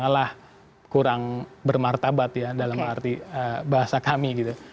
malah kurang bermartabat ya dalam arti bahasa kami gitu